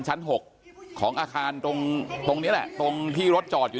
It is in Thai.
ชั้น๖ของอาคารตรงตรงนี้แหละตรงที่รถจอดอยู่